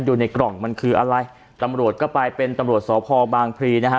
ในกล่องมันคืออะไรตำรวจก็ไปเป็นตำรวจสพบางพลีนะฮะ